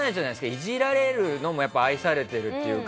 イジられるのも愛されているというか。